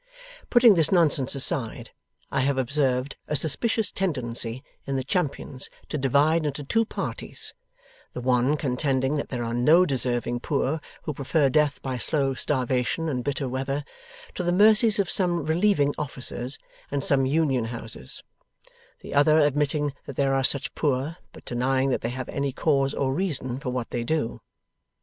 Putting this nonsense aside, I have observed a suspicious tendency in the champions to divide into two parties; the one, contending that there are no deserving Poor who prefer death by slow starvation and bitter weather, to the mercies of some Relieving Officers and some Union Houses; the other, admitting that there are such Poor, but denying that they have any cause or reason for what they do.